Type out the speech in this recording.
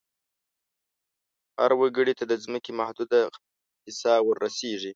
هر وګړي ته د ځمکې محدوده حصه ور رسیږي.